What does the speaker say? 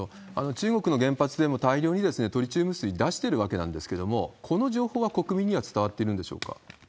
中国の原発でも大量にトリチウム水出してるわけなんですけれども、この情報は国民には伝わってるんでしょうか？